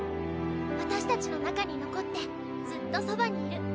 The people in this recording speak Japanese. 私たちの中に残ってずっとそばにいる。